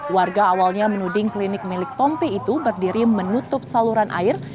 warga awalnya menuding klinik milik tompi itu berdiri menutup saluran air